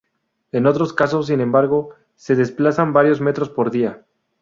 En otros casos, sin embargo, se desplazan varios metros por día.